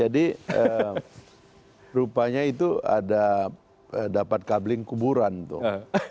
jadi rupanya itu ada dapat kabling kuburan tuh